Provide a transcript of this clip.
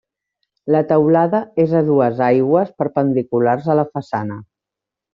La teulada és a dues aigües, perpendiculars a la façana.